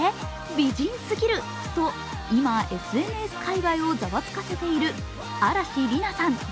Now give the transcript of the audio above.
美人すぎると今ＳＮＳ界わいをざわつかせている嵐莉菜さん